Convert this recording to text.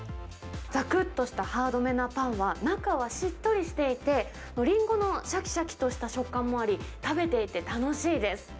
ざくっとしたハードめなパンは、中はしっとりしていて、リンゴのしゃきしゃきとした食感もあり、食べていて楽しいです。